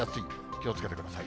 気をつけてください。